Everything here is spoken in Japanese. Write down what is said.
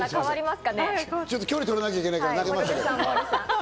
距離、取らなきゃいけないから投げましたけど。